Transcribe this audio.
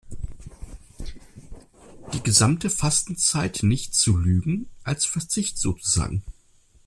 Die gesamte Fastenzeit nicht zu lügen, als Verzicht sozusagen.